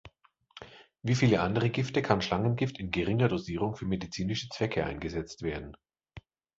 Wie viele andere Gifte kann Schlangengift in geringer Dosierung für medizinische Zwecke eingesetzt werden.